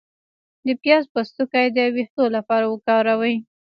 د پیاز پوستکی د ویښتو لپاره وکاروئ